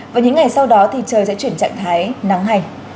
và những ngày sau đó thì trời sẽ chuyển trạng thái nắng hành